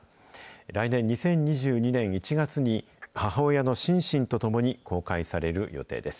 来年・２０２２年１月に、母親のシンシンと共に公開される予定です。